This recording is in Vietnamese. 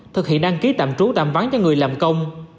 thực hiện đăng ký tạm trú tạm vắng cho người làm công